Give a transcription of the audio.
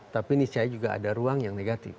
tapi niscaya juga ada ruang yang negatif